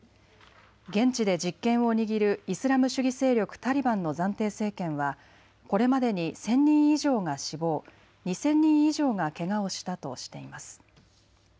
現地で実権を握るイスラム主義勢力タリバンの暫定政権はこれまでに１０００人以上が死亡２０００人以上がけがをしたとしています。